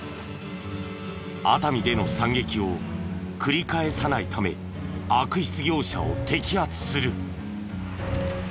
熱海での惨劇を繰り返さないため悪質業者を摘発する。